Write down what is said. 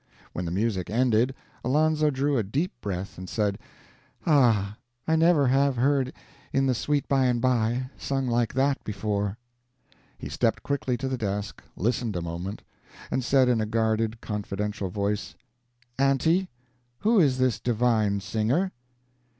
When the music ended, Alonzo drew a deep breath, and said, "Ah, I never have heard 'In the Sweet By and by' sung like that before!" He stepped quickly to the desk, listened a moment, and said in a guarded, confidential voice, "Aunty, who is this divine singer?"